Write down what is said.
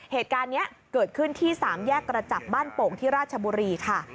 เหตุการณ์นี้เกิดขึ้นที่๓แยกกระจับบ้านโป่งที่ราชบุรีค่ะ